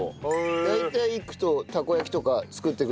大体行くとたこ焼きとか作ってくれる。